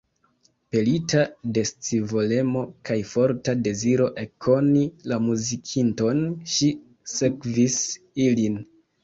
Pelita de scivolemo kaj forta deziro ekkoni la muzikinton, ŝi sekvis ilin.